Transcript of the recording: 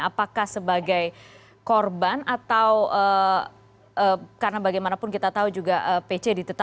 apakah sebagai korban atau karena bagaimanapun kita tahu juga pc ditetapkan